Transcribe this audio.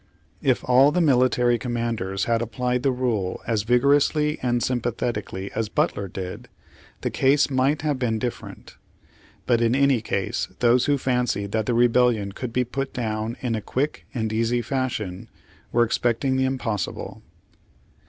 If all the mili tary commanders had applied the rule as vigor ously and sympathetically as Butler did, the case might have been different. But in any case those who fancied that the Rebellion could be put down in a quick and easy fashion, were expecting the impossible.